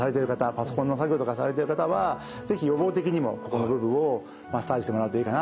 パソコンの作業とかされてる方は是非予防的にもここの部分をマッサージしてもらうといいかなというふうに思います。